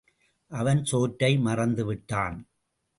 அவன் சோற்றை மறந்துவிட்டான்.